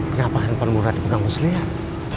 kenapa handphone murad dipegang muslihat